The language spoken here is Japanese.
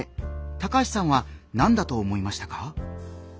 高橋さんは何だと思いましたか？